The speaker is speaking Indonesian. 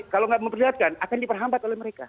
kalau tidak memperlihatkan akan diperhambat oleh mereka